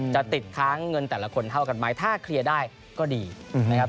จะติดค้างเงินแต่ละคนเท่ากันไหมถ้าเคลียร์ได้ก็ดีนะครับ